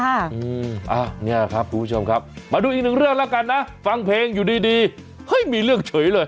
อ่ะเนี่ยครับคุณผู้ชมครับมาดูอีกหนึ่งเรื่องแล้วกันนะฟังเพลงอยู่ดีดีเฮ้ยมีเรื่องเฉยเลย